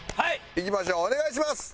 いきましょうお願いします。